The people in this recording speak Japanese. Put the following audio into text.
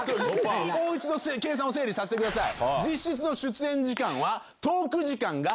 もう一度計算を整理させてください。